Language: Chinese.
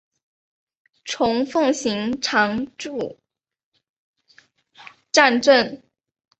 虫奉行常住战阵！